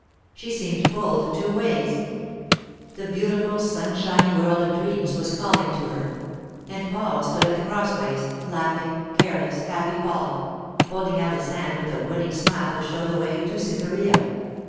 She seemed pulled two ways. The beautiful sunshiny world of dreams was calling to her. And Paul stood at the crossways—laughing, careless, happy Paul—holding out his hand with a winning smile to show the way to Cytherea.